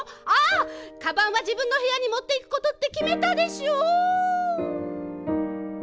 かばんはじぶんのへやにもっていくことってきめたでしょ！